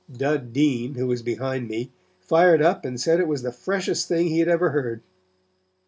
Dud Dean, who was behind me, fired up and said it was the freshest thing he had ever heard.